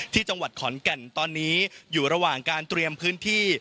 ที่จังหวัดขอนแก่นตอนนี้อยู่ระหว่างการเตรียมพื้นที่